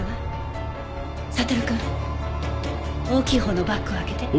悟くん大きいほうのバッグを開けて。